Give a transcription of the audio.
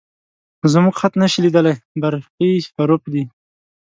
_زموږ خط نه شې لېدلی، برقي حروف دي